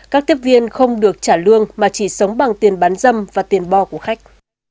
các tiếp viên không được trả lương mà chỉ sống bằng tiền bán dâm và tiền bo của khách